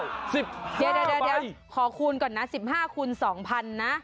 เดี๋ยวขอคูณก่อนนะ๑๕คูณ๒๐๐๐นะ